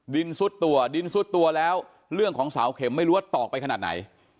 ซุดตัวดินซุดตัวแล้วเรื่องของเสาเข็มไม่รู้ว่าตอกไปขนาดไหน